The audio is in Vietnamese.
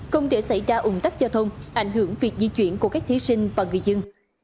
không để xảy ra ủng tắc giao thông ảnh hưởng việc di chuyển của các thí sinh và người dân